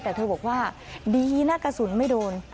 แต่เธอบอกว่าดีนะกระสุนไม่โดน